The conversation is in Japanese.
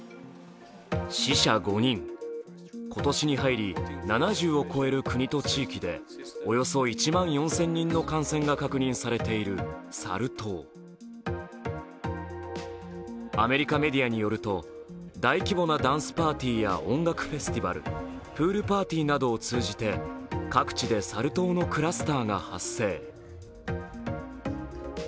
死者５人、今年に入り７０を超える国と地域でおよそ１万４０００人の感染が確認されているサル痘アメリカメディアによると大規模なダンスパーティーや音楽フェスティバル、プールパーティーなどを通じて各地でサル痘のクラスターが発生。